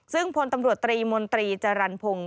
ซึ่งพลตำรวจตรีมนตรีจรรพงศ์